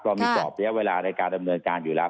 เรามีสอบเวลาในการดำเนินการอยู่แล้ว